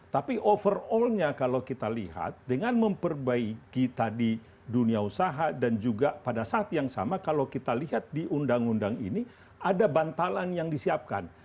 tapi overall nya kalau kita lihat dengan memperbaiki tadi dunia usaha dan juga pada saat yang sama kalau kita lihat di undang undang ini ada bantalan yang disiapkan